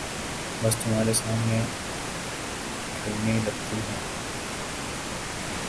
بس تمہارے سامنے ٹھگنی لگتی ہوں۔